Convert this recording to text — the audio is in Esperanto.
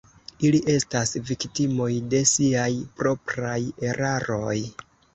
Ili estas viktimoj de siaj propraj eraroj.